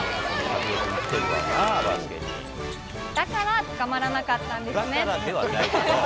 だから捕まらなかったんですね。